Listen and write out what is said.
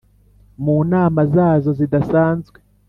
Mu nama zazo zidasanzwe